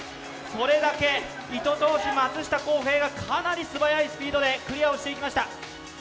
それだけ糸通し、松下洸平がかなり素早い時間でクリアをしていきました。